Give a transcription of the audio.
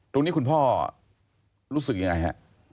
ตรงนี้คุณพ่อรู้สึกยังไงฮะ